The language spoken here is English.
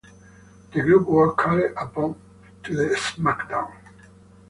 The group were called up to the SmackDown!